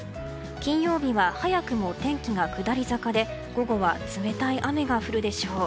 金曜日は早くも天気が下り坂で午後は冷たい雨が降るでしょう。